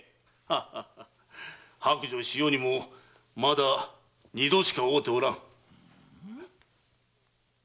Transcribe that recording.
白状しようにもまだ二度しか会うておらん。